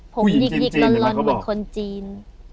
ผู้หญิงจีนเหมือนคนจีน